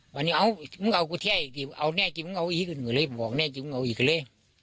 วันนี้เอามึงเอากูแช่อีกทีเอาแน่จริงมึงเอาอีกก็เลยบอกแน่จริงเอาอีกกันเลย